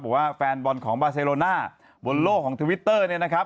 บอกว่าแฟนบอลของบาเซโลน่าบนโลกของทวิตเตอร์เนี่ยนะครับ